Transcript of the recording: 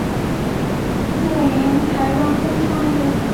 本条目整理出台湾历史上与近代以来著名的台湾工商业界领导人物。